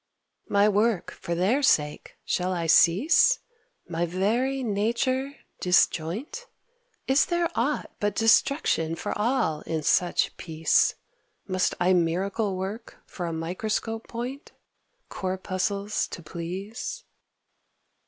My work, for their sake, shall I cease, My very nature disjoint? Is there aught but destruction for all in such peace? Must I miracle work for a microscope point, Corpuscles to please?